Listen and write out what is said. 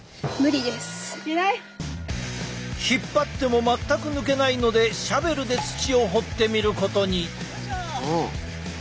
引っ張っても全く抜けないのでシャベルで土を掘ってみることに。